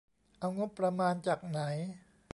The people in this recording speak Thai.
เอางบประมาณจากไหน ?